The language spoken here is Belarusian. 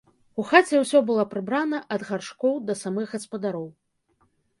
У хаце ўсё было прыбрана ад гаршкоў да самых гаспадароў.